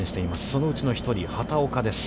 そのうちの１人、畑岡です。